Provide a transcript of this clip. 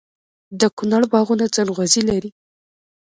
د کونړ باغونه ځنغوزي لري.